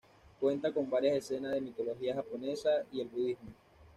Cuenta con varias escenas de la mitología japonesa y el budismo.